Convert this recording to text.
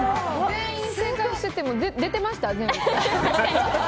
全員正解してても出てました？